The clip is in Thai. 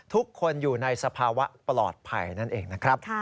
ทุกคนอยู่ในสภาวะปลอดภัยนั่นเองนะครับ